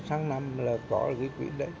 sáng năm là có cái quỹ đấy